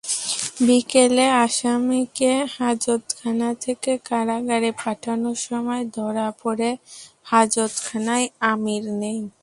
বিকেলে আসামিকে হাজতখানা থেকে কারাগারে পাঠানোর সময় ধরা পড়ে হাজতখানায় আমির নেই।